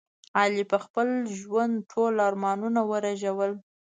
علي په خپل ژوند ټول ارمانونه ورېژول.